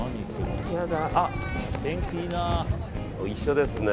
一緒ですね。